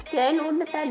jangan undut aja